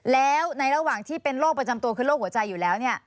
แล้วในระหว่างที่เป็นโรคประจำตัวคือโรคหัวใจอยู่แล้ว